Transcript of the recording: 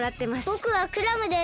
ぼくはクラムです。